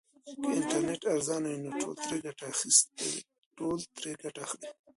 که انټرنیټ ارزانه وي نو ټول ترې ګټه اخلي.